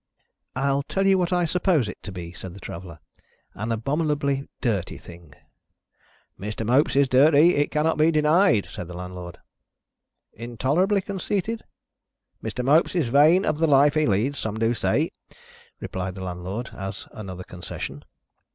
"I'll tell you what I suppose it to be," said the Traveller. "An abominably dirty thing." "Mr. Mopes is dirty, it cannot be denied," said the Landlord. "Intolerably conceited." "Mr. Mopes is vain of the life he leads, some do say," replied the Landlord, as another concession.